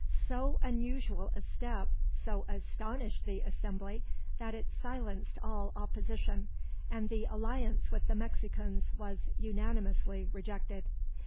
So unusual a step so astonished the assembly that it silenced all opposition, and the alliance with the Mexicans was unanimously rejected.